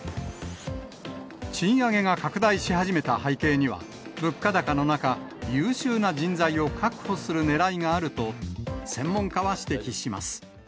賃上げが拡大し始めた背景には、物価高の中、優秀な人材を確保するねらいがあると専門家は指摘します。